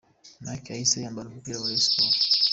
Mike yahise yambara umupira wa Rayons.